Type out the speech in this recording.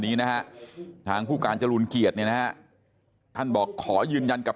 นี้นะฮะทางผู้การจรูนเกียรติเนี่ยนะฮะท่านบอกขอยืนยันกับ